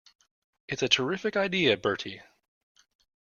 It's a terrific idea, Bertie.